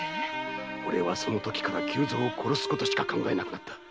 おれはそのときから久蔵を殺すことしか考えなくなった。